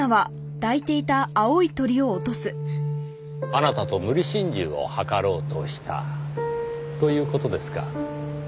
あなたと無理心中を図ろうとしたという事ですか？